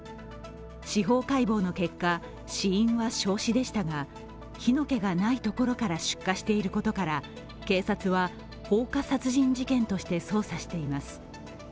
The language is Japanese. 司法解剖の結果、死因は焼死でしたが火の気がない所から出火していることから警察は放火殺人事件として捜査しています。